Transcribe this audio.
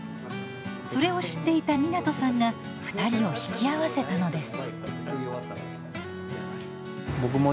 それを知っていた湊さんが２人を引き合わせたのです。